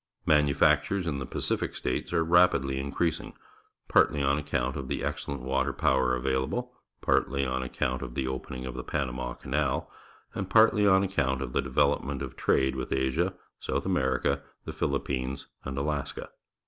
]\Ianufactures in the Pacific States are rapidly increasing, partly on account of the excellent water power available, partly on account of the opening of tlie Panama Canal, and partly on account of the development of trade with Asia, South America, the Philip pines, and Alaska.